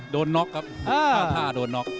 โดนน็อกครับข้างท่าโดนน็อก